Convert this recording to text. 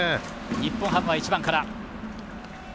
日本ハムは１番から。